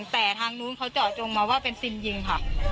แต่ทางนู้นเขาเจาะจงมาว่าเป็นซิมยิงค่ะ